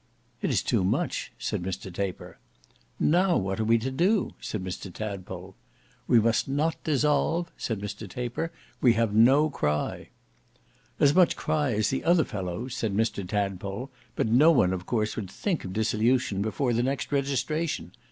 "It is too much," said Mr Taper. "Now what are we to do?" said Mr Tadpole. "We must not dissolve," said Mr Taper. "We have no cry." "As much cry as the other fellows," said Mr Tadpole; "but no one of course would think of dissolution before the next registration.